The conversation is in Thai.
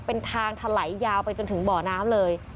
เป็นทางถลายยาวไปจนถึงบ่อน้ำเลย